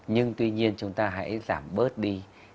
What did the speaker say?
nhưng tuy nhiên chúng ta hãy giảm bớt đi